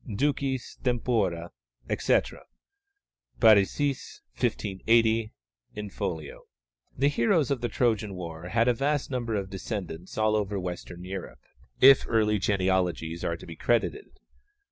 ducis tempora_, etc. (Parisiis, 1580, in folio). The heroes of the Trojan war had a vast number of descendants all over Western Europe, if early genealogies are to be credited.